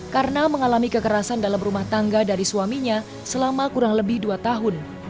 karena mengalami kekerasan dalam rumah tangga dari suaminya selama kurang lebih dua tahun